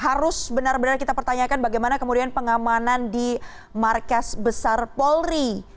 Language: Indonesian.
harus benar benar kita pertanyakan bagaimana kemudian pengamanan di markas besar polri